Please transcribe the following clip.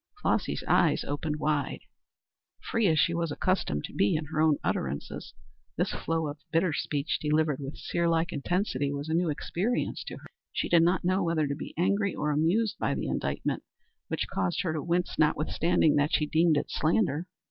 Flossy's eyes opened wide. Free as she was accustomed to be in her own utterances, this flow of bitter speech delivered with seer like intensity was a new experience to her. She did not know whether to be angry or amused by the indictment, which caused her to wince notwithstanding that she deemed it slander.